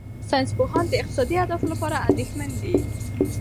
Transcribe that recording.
ساینسپوهان د اقتصادي اهدافو لپاره اندېښمن دي.